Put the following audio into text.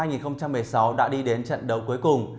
vì hôm hai nghìn một mươi sáu đã đi đến trận đấu cuối cùng